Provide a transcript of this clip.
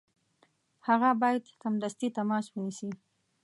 هغه باید سمدستي تماس ونیسي.